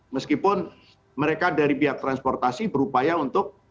meskipun mereka dari pihak transportasi berupaya untuk